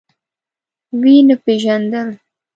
ويې نه پيژاندل.